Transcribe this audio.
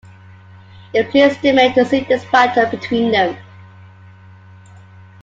It pleased the men to see this battle between them.